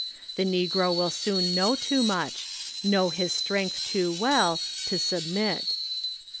The negro will soon know too much, know his strength too well, to submit.